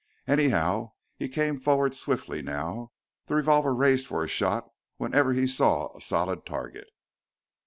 Anyhow, he came forward swiftly now, the revolver raised for a shot whenever he saw a solid target.